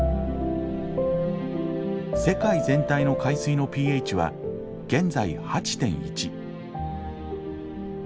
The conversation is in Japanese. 世界全体の海水のｐＨは現在８．１。